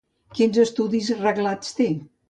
Quins estudis reglats té?